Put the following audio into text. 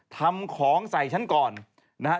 ทำของใส่ฉันก่อนนะครับ